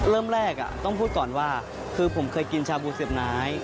เริ่มแรกต้องพูดก่อนว่าคือผมเคยกินชาบูเสียบไม้